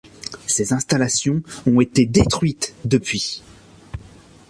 Ses installations ont été détruites depuis.